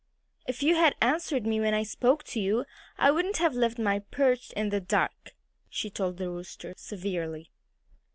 "If you had answered me when I spoke to you I wouldn't have left my perch in the dark," she told the Rooster severely.